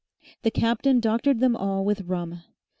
The captain doctored them all with rum.